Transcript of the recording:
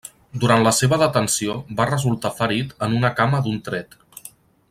Durant la seva detenció va resultar ferit en una cama d'un tret.